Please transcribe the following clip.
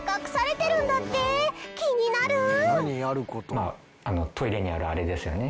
まああのトイレにあるあれですよね。